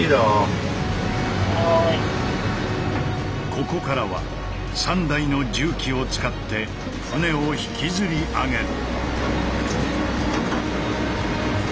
ここからは３台の重機を使って船を引きずり上げる。